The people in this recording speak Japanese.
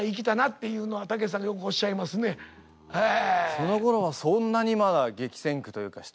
そのころはそんなにまだ激戦区というか人も。